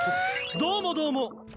どうもどうも。